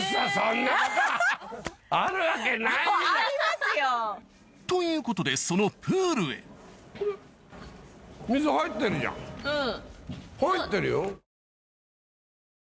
ありますよ。ということでそのプールへ入ってるよ？